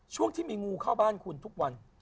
ช่วงที่มีงูเข้าบ้านคุณทุกวัน